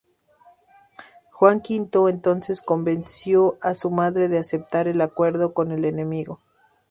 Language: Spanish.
Juan V entonces convenció a su madre de aceptar el acuerdo con el enemigo.